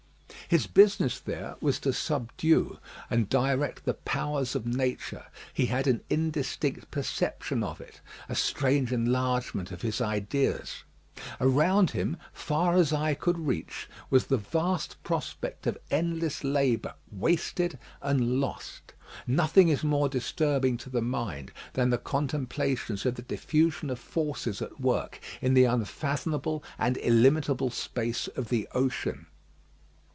His business there was to subdue and direct the powers of nature. He had an indistinct perception of it. A strange enlargement of his ideas! Around him, far as eye could reach, was the vast prospect of endless labour wasted and lost. Nothing is more disturbing to the mind than the contemplation of the diffusion of forces at work in the unfathomable and illimitable space of the ocean.